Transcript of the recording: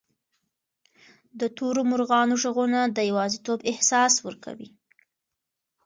د تورو مرغانو ږغونه د یوازیتوب احساس ورکوي.